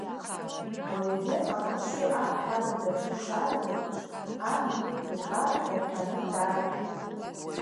Уажәгьы, ақәаршҩы аԥхьа адыд бжьы шааҩуа аиԥш, амҩа иқәыз ар драԥҟьаны дааит.